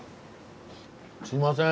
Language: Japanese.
すいません